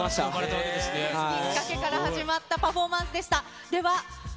すごい。きっかけから始まったパフォーマンスでした。